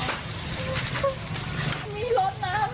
โอ๊ยตายแล้ว